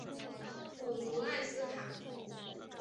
普卢埃斯卡。